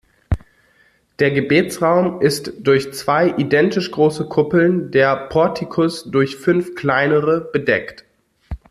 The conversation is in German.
Der Gebetsraum ist durch zwei identisch große Kuppeln, der Portikus durch fünf kleinere bedeckt.